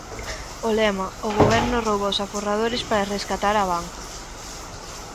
O lema, O goberno rouba aos aforradores para rescatar á banca.